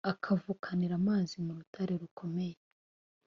akakuvanira amazi mu rutare rukomeye,